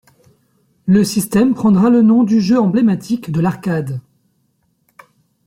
Le système prendra le nom du jeu emblématique de l'arcade.